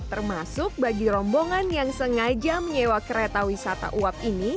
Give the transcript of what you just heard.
termasuk bagi rombongan yang sengaja menyewa kereta wisata uap ini